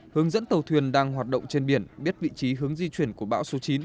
hướng dẫn tàu thuyền đang hoạt động trên biển biết vị trí hướng di chuyển của bão số chín